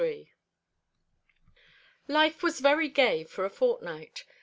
XXIII Life was very gay for a fortnight.